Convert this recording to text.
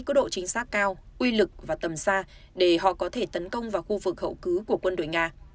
có độ chính xác cao uy lực và tầm xa để họ có thể tấn công vào khu vực hậu cứ của quân đội nga